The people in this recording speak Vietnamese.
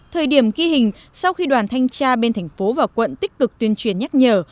thời điểm ghi hình sau khi đoàn thanh tra bên thành phố và quận tích cực tuyên truyền nhắc nhở